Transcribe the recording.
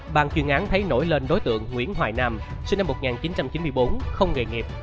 bàn chuyên án thấy nổi lên đối tượng nguyễn hoài nam sinh năm một nghìn chín trăm chín mươi bốn không nghề nghiệp